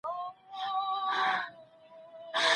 علامه رشاد د پښتنو د زړه خبرې یې په خپلو لیکنو کې کړې دي.